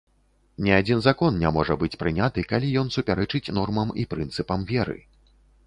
Ні адзін закон не можа быць прыняты, калі ён супярэчыць нормам і прынцыпам веры.